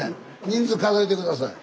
人数数えて下さい。